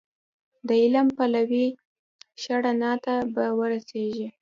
د علم پلوی شه رڼا ته به ورسېږې